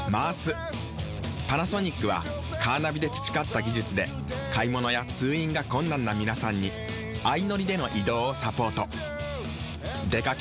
パナソニックはカーナビで培った技術で買物や通院が困難な皆さんに相乗りでの移動をサポート。